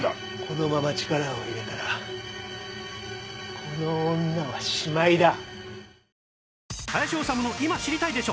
このまま力を入れたらこの女はしまいだ。